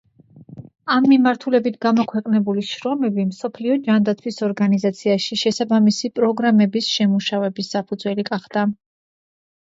ამ მიმართულებით გამოქვეყნებული შრომები მსოფლიო ჯანდაცვის ორგანიზაციაში შესაბამისი პროგრამების შემუშავების საფუძველი გახდა.